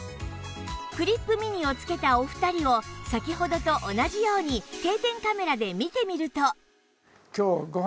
クリップ・ミニを着けたお二人を先ほどと同じように定点カメラで見てみると